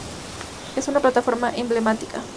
Es una plataforma emblemática.